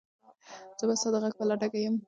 زه به ستا د غږ په لټه کې یم.